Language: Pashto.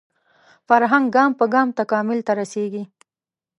فرهنګ ګام په ګام تکامل ته رسېږي